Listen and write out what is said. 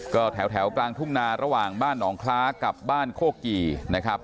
ก็แถวกลางทุ่งนาระหว่างบ้านหนองคล้ากับบ้านโคกีนะครับ